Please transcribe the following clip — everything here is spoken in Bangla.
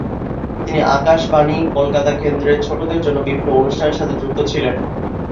তিনি আকাশবাণী কলকাতা কেন্দ্রের ছোটদের জন্য বিভিন্ন অনুষ্ঠানের সাথে যুক্ত ছিলেন।